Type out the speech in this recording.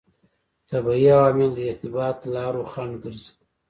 طبیعي عوامل د ارتباط لارو خنډ ګرځي.